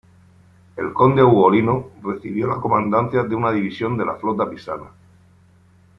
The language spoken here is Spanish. El conde Ugolino recibió la comandancia de una división de la flota pisana.